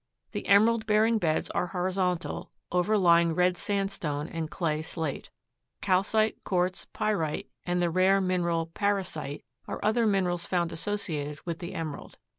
The emerald bearing beds are horizontal, overlying red sandstone and clay slate. Calcite, quartz, pyrite and the rare mineral parisite are other minerals found associated with the emerald.